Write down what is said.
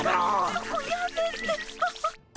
そこやめて。